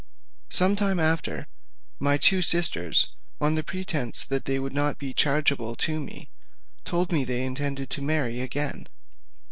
Some time after, my two sisters, on presence that they would not be chargeable to me, told me they intended to marry again.